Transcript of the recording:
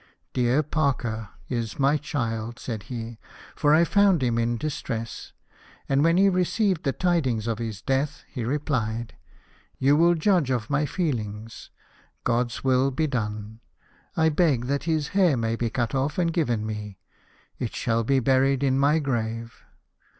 " Dear Parker is my child," said he ;" for I found him in distress." And when he received the tidings of his death he replied :" You will judge of my feelings ; God's will be done. I beg that his hair may be cut off and given me ; it shall be buried in my grave.